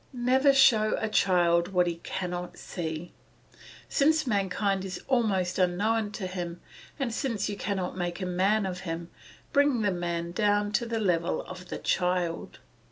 Never show a child what he cannot see. Since mankind is almost unknown to him, and since you cannot make a man of him, bring the man down to the level of the child.